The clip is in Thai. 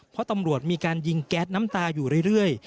เพราะตำรวจมีการยิงแก๊สน้ำตาอยู่เรื่อย